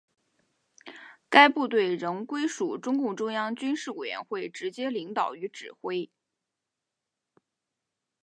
该部队仍归属中共中央军事委员会直接领导与指挥。